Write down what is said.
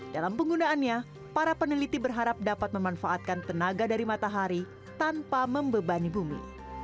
dalam penggunaannya para peneliti berharap dapat memanfaatkan tenaga dari matahari tanpa membebani bumi